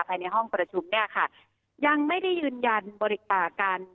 ภายในห้องประชุมเนี่ยค่ะยังไม่ได้ยืนยันบริจาคกัน